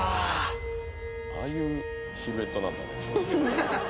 「ああいうシルエットなんだね」